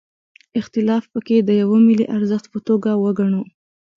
اختلاف پکې د یوه ملي ارزښت په توګه وګڼو.